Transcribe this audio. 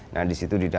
nah disitu didukung